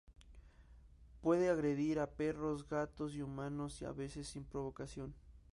Puede agredir a perros, gatos y humanos, a veces sin provocación.